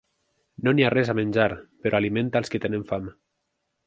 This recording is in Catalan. No n'hi ha res a menjar, però alimenta els qui tenen fam.